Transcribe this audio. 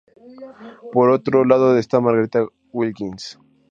Por otro lado está Margarita Wilkins.